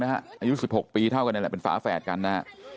อายุ๑๖ปีเท่ากันละเป็นฝาแฝดกันน่ะ